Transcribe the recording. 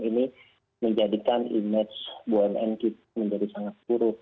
ini menjadikan image bumn kita menjadi sangat buruk